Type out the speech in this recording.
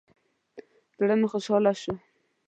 زړه مې خوشاله شو.